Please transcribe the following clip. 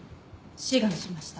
志願しました。